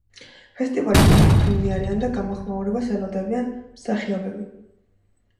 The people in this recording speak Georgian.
ფესტივალით კმაყოფილნი არიან და გამოხმაურებას ელოდებიან მსახიობები.